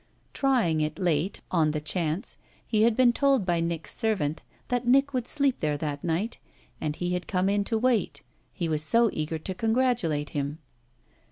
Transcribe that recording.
Trying it late, on the chance, he had been told by Nick's servant that Nick would sleep there that night, and he had come in to wait, he was so eager to congratulate him.